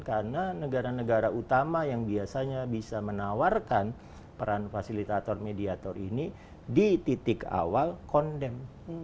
karena negara negara utama yang biasanya bisa menawarkan peran fasilitator mediator ini di titik awal kondem